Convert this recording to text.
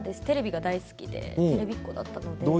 テレビが大好きでテレビっ子だったので。